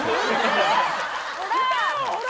ほら！